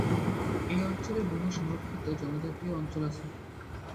এই অঞ্চলে বহু সংরক্ষিত জনজাতীয় অঞ্চল আছে।